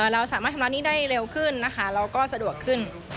เราสามารถชำระหนี้ได้เร็วขึ้นนะคะเราก็สะดวกขึ้น